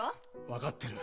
分かってる。